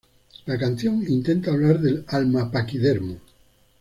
La canción intenta hablar del alma-paquidermo".